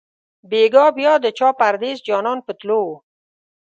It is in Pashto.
بیګا بیا د چا پردېس جانان په تلو وو